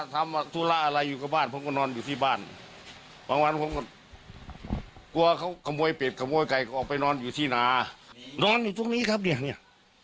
ตรงนี้ครับเนี่ยตรงนี้นี่พระเจ้าอยู่อยู่ตรงหัวนอนผมแหละเนี่ย